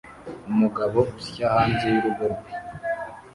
Umugabo usya hanze y'urugo rwe